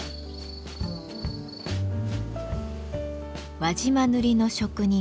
輪島塗の職人